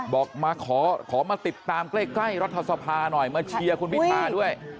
บอกมาขอมาติดตามใกล้รัฐสภาหน่อยมาเชียร์คุณพิธาด้วย